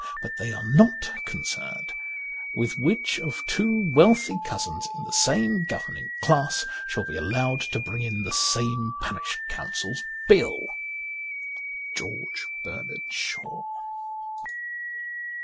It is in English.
But they are not concerned with which of two wealthy cousins in the same govern ing class shall be allowed to bring in the same Parish Councils Bill. ' George Bernard Shaw.''